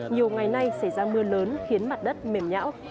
nhiều ngày nay xảy ra mưa lớn khiến mặt đất mềm nhão